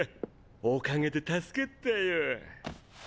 おかげで助かったよ。